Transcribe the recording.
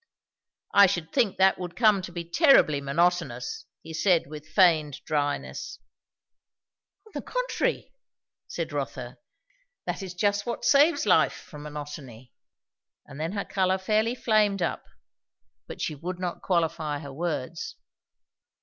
"I should think that would come to be terribly monotonous!" he said with feigned dryness. "On the contrary!" said Rotha. "That is just what saves life from monotony." And then her colour fairly flamed up; but she would not qualify her words.